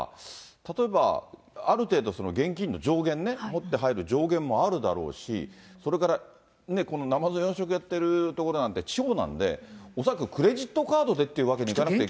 例えば、ある程度現金の上限ね、持って入る上限もあるだろうし、それから、ナマズの養殖やってる所なんて地方なんで、恐らくクレジットカードでってわけにもいかなくて。